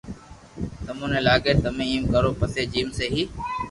تمي ني لاگي تمو ايم ڪرو پسي جيم سھي